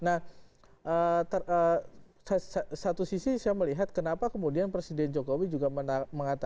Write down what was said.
nah satu sisi saya melihat kenapa kemudian presiden jokowi juga mengatakan seolah olah memperbaiki kinerja